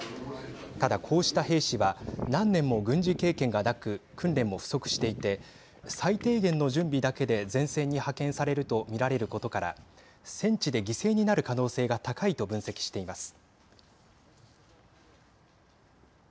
ただ、こうした兵士は何年も軍事経験がなく訓練も不足していて最低限の準備だけで前線に派遣されると見られることから戦地で犠牲になる可能性が高いと分析しています。